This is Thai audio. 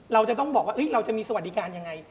เราจะต้องบอกว่าเราจะมีสวัสดิการยังไง